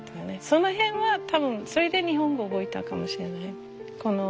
その辺は多分それで日本語覚えたかもしれない。